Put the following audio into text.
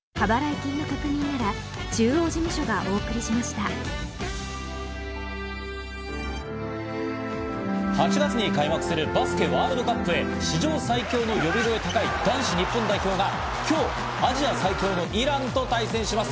昨日に比べて５度以上あがりますが、８月に開幕するバスケワールドカップへ、史上最強の呼び声高い男子日本代表が今日、アジア最強のイランと対戦します！